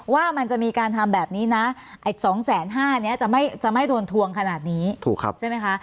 ว่ามันจะมีการทำแบบนี้นะไอ้สองแสนห้านี้จะไม่จะไม่โดนทวงขนาดนี้ถูกครับใช่ไหมคะ